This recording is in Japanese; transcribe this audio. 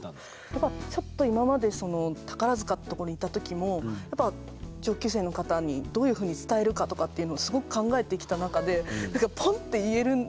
やっぱちょっと今まで宝塚って所にいた時もやっぱ上級生の方にどういうふうに伝えるかとかっていうのをすごく考えてきた中でポンって言えるんですよね